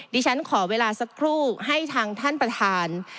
ดิฉันขอเวลาสักครู่ให้ทางท่านประธาน